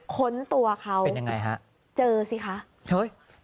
ค้นตัวเขาเป็นยังไงฮะเจอสิคะเฮ้ย